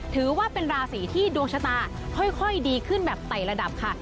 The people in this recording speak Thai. ถือว่าเป็นราศีที่ดวงชะตาค่อยดีขึ้นแบบไต่ระดับค่ะ